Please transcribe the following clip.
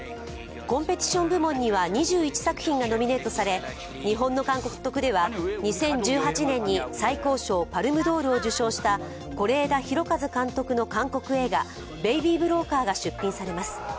コンペティション部門には２１作品がノミネートされ日本の監督では２０１８年に最高賞パルムドールを受賞した是枝裕和監督の韓国映画「ベイビー・ブローカー」が出品されます。